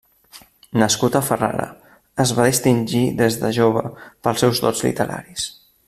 Nascut a Ferrara, es va distingir des de jove pels seus dots literaris.